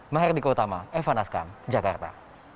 maher dika utama evan askam jakarta